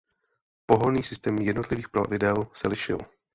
Pohonný systém jednotlivých plavidel se lišil.